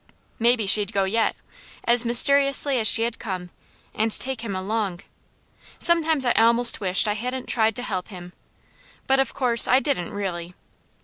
Maybe she'd go yet, as mysteriously as she had come, and take him along. Sometimes I almost wished I hadn't tried to help him; but of course I didn't really.